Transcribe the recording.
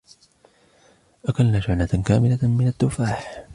أكلنا شحنة كاملة من التفاح.